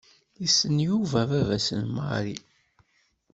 Yessen Yuba baba-s n Mary.